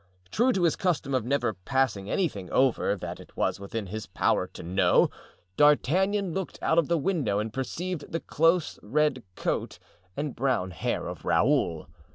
True to his custom of never passing anything over that it was within his power to know, D'Artagnan looked out of the window and perceived the close red coat and brown hair of Raoul.